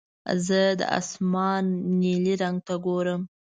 زه د اسمان نیلي رنګ ته ګورم.